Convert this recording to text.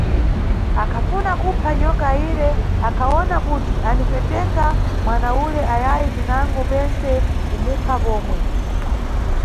Akhafuna kupha nyoka ire, akhawona kuti anipweteka mwana ule ayayi pinango pentse kumupha pomwe.